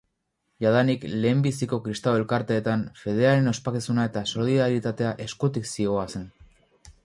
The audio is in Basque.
Jadanik, lehenbiziko kristau elkarteetan, fedearen ospakizuna eta solidaritatea eskutik zihoazen.